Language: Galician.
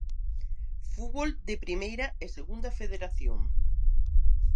Fútbol de Primeira e Segunda Federación.